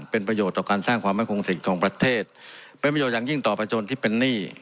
เป็นประโยชน์ต่อการสร้างความไม่คงสิทธิ์ของประเทศเป็นประโยชนอย่างยิ่งต่อประจนที่เป็นหนี้